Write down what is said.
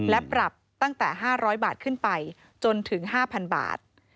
และปรับตั้งแต่๕๐๐บาทขึ้นไปจนถึง๕๐๐๐บาท